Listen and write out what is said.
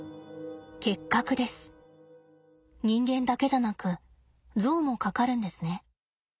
人間だけじゃなくゾウもかかるんですね。